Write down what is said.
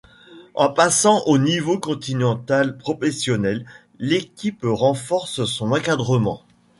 En passant au niveau continental professionnel, l'équipe renforce son encadrement.